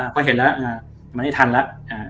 พอเห็นแล้วมันไม่ทันแล้ว